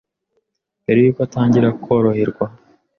mbere yuko atangira koroherwa